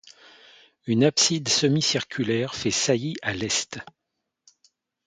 Une abside semi-circulaire fait saillie à l'est.